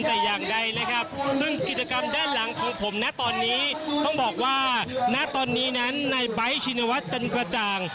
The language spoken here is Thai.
ทุกกริจกรรมด้านหลังคิดว่านาตอนนี้ใบท์ชินวัตย์จันกระจ่าง